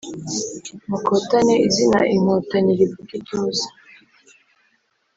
Mukotane izina inkotanyi rivuge ituze